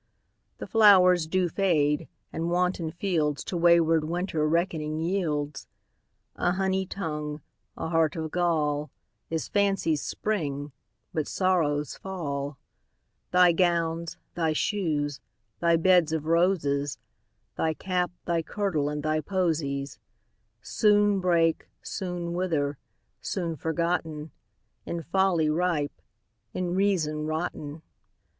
The flowers do fade, and wanton fieldsTo wayward Winter reckoning yields:A honey tongue, a heart of gall, Is fancy's spring, but sorrow's fall. Thy gowns, thy shoes, thy beds of roses, Thy cap, thy kirtle, and thy posies, Soon break, soon wither—soon forgotten, In folly ripe, in reason rotten.